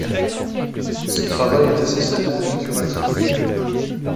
Son travail est essentiellement figuratif.